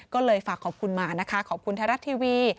ก็เลยฝากขอบคุณมานะคะขอบคุณไทยรัฐทีวี